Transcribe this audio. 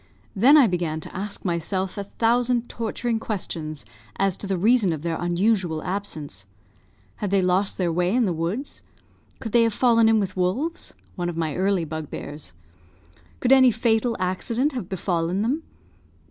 Then I began to ask myself a thousand torturing questions as to the reason of their unusual absence. Had they lost their way in the woods? Could they have fallen in with wolves (one of my early bugbears)? Could any fatal accident have befallen them?